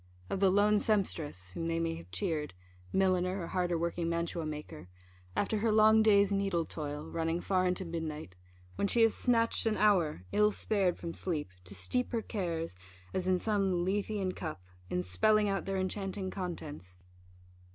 of the lone sempstress, whom they may have cheered (milliner, or harder working mantua maker) after her long day's needle toil, running far into midnight, when she has snatched an hour, ill spared from sleep, to steep her cares, as in some Lethean cup, in spelling out their enchanting contents!